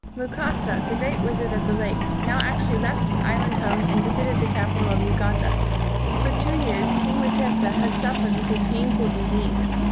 Mukasa, the great wizard of the lake, now actually left his island home and vis ited the capital of Uganda. For two years king Mutesa had suffered with a painful disease.